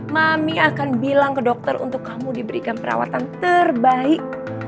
mami akan bilang ke dokter untuk kamu diberikan perawatan terbaik